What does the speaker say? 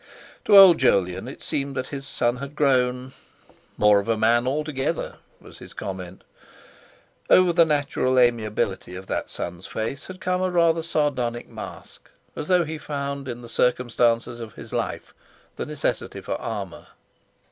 To old Jolyon it seemed that his son had grown. "More of a man altogether," was his comment. Over the natural amiability of that son's face had come a rather sardonic mask, as though he had found in the circumstances of his life the necessity for armour.